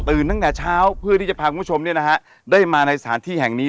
ตั้งแต่เช้าเพื่อที่จะพาคุณผู้ชมได้มาในสถานที่แห่งนี้